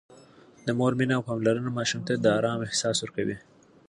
د مور مینه او پاملرنه ماشومانو ته د آرام احساس ورکوي.